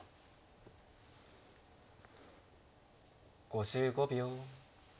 ５５秒。